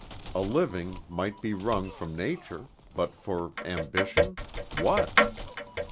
A living might be wrung from nature, but for ambition, what?